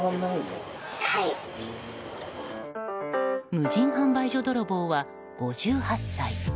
無人販売所泥棒は５８歳。